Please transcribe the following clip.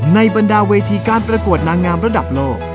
บรรดาเวทีการประกวดนางงามระดับโลก